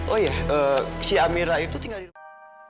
oh iya si amera itu tinggal di rumah